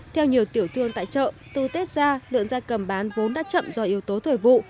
theo nhiều tiểu thương tại chợ từ tết ra lợn da cầm bán vốn đã chậm do yếu tố thời vụ